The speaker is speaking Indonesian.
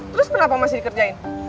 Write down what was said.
terus kenapa masih dikerjain